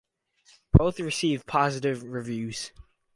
Both received positive reviews.